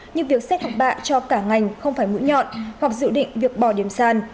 nhưng việc xét học bạ cho cả ngành không phải mũi nhọn hoặc dự định việc bỏ điểm sàn